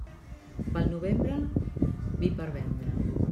Pel novembre, vi per vendre.